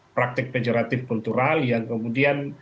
praktek vegeratif kultural yang kemudian